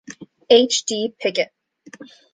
H. D. Pickett.